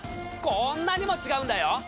こんなにも違うんだよ！